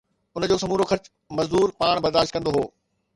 ان جو سمورو خرچ مزدور پاڻ برداشت ڪندو هو